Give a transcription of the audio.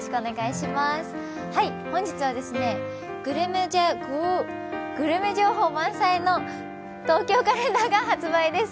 本日はグルメ情報満載の「東京カレンダー」が発売です。